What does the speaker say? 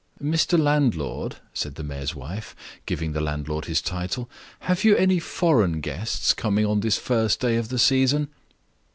"Mr. Landlord," said the mayor's wife (giving the landlord his title), "have you any foreign guests coming on this first day of the season?"